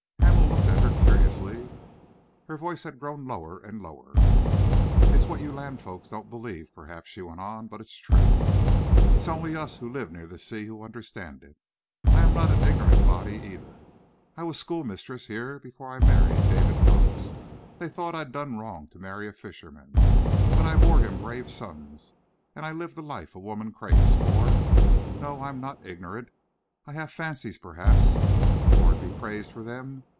Hamel looked at her curiously. Her voice had grown lower and lower. "It's what you land folks don't believe, perhaps," she went on, "but it's true. It's only us who live near the sea who understand it. I am not an ignorant body, either. I was schoolmistress here before I married David Cox. They thought I'd done wrong to marry a fisherman, but I bore him brave sons, and I lived the life a woman craves for. No, I am not ignorant. I have fancies, perhaps the Lord be praised for them!